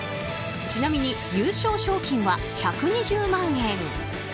ちなみに優勝賞金は１２０万円。